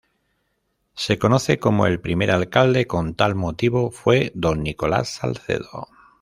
Se conoce como el primer alcalde con tal motivo fue Don Nicolás Salcedo.